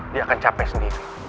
dia akan capek sendiri